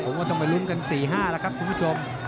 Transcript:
ผมก็ทำไปรุ้มกันสี่ห้าครับคุณผู้ชม